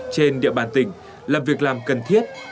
trên địa bàn tỉnh là việc làm cần thiết